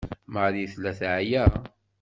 Marie tella teɛya.